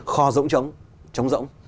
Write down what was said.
kho rỗng rỗng